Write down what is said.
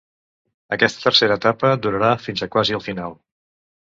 Aquesta tercera etapa durarà fins a quasi el final.